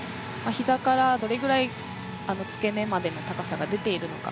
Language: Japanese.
膝からどれくらい付け根までの高さが出ているのか。